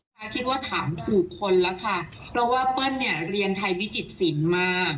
เราว่าถามถูกคนแล้วค่ะต้องว่าเรียนไทยวิจิตศิลป์มา